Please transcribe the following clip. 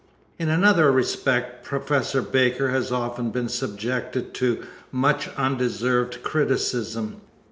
In another respect Professor Baker has often been subjected to much undeserved criticism.